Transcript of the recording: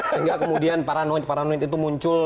sehingga kemudian paranoid paranoid itu muncul